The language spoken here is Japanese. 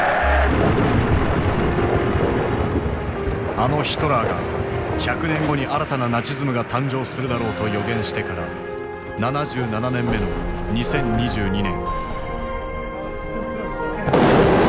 あのヒトラーが「１００年後に新たなナチズムが誕生するだろう」と予言してから７７年目の２０２２年。